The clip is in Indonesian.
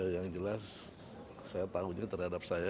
enggak yang jelas saya tahunya terhadap saya aja